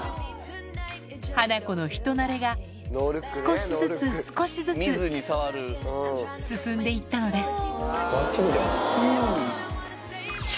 ハナコの人なれが少しずつ少しずつ進んで行ったのです